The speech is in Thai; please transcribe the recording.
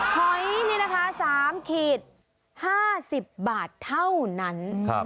หอยนี่นะคะ๓ขีด๕๐บาทเท่านั้น